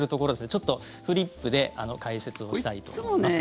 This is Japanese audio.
ちょっとフリップで解説をしたいと思います。